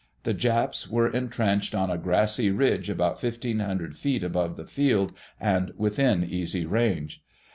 The Japs were entrenched on a grassy ridge, about 1500 feet above the field and within easy range.